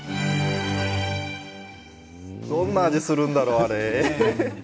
どんな味がするんだろうあれ。